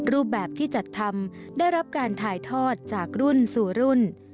รูปแบบที่จัดทำได้รับการถ่ายทอดจากรุ่นสู่รุ่น